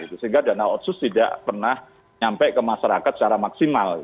sehingga dana otsus tidak pernah nyampe ke masyarakat secara maksimal